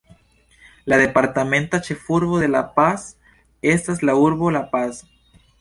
La departementa ĉefurbo de La Paz estas la urbo La Paz.